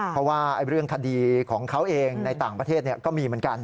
เพราะว่าเรื่องคดีของเขาเองในต่างประเทศก็มีเหมือนกัน